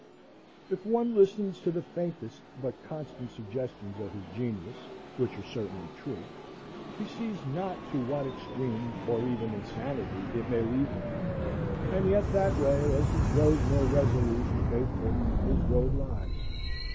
If one listens to the faintest but constant suggestions of his genius, which are certainly true, he sees not to what extremes, or even insanity, it may lead him; and yet that way, as he grows more resolute and faithful, his road lies.